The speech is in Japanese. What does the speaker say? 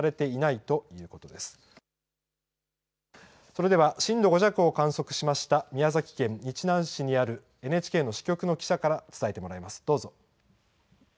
それでは震度５弱を観測しました宮崎県日南市にあるＮＨＫの支局の記者から伝えてもらいます。